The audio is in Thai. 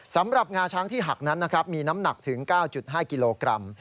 งาช้างที่หักนั้นนะครับมีน้ำหนักถึง๙๕กิโลกรัม